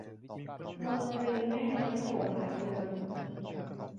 เมืองริมแม่น้ำโขงหลายเมือง